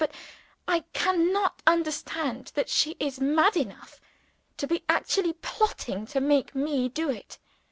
But I can not understand that she is mad enough to be actually plotting to make me do it.